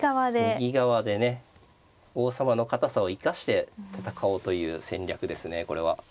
右側でね王様の堅さを生かして戦おうという戦略ですねこれは。